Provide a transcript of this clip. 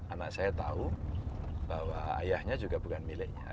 anak saya tahu bahwa ayahnya juga bukan miliknya